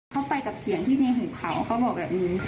เขาไปกับเสียงที่ในหูเขาเขาบอกแบบนี้